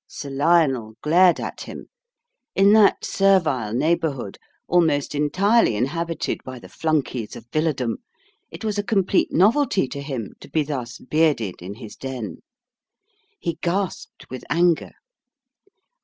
Sir Lionel glared at him. In that servile neighbourhood, almost entirely inhabited by the flunkeys of villadom, it was a complete novelty to him to be thus bearded in his den. He gasped with anger.